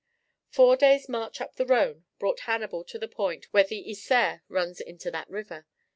Four days' march up the Rhone brought Hannibal to the point where the Isere runs into that river.